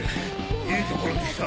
いいところに来た。